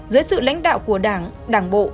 dưới sự lãnh đạo của đảng đảng bộ